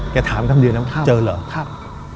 แกถามทำเดียวเจอเหรอครับ